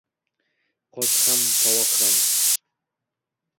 Qoshiq ham moy, tovoq ham